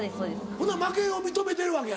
ほな負けを認めてるわけやな。